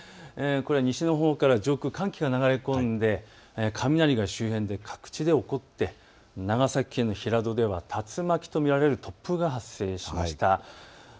西のほうから上空寒気が流れ込んで雷が周辺で各地で起こって長崎県の平戸では竜巻と見られる突風が発生しました。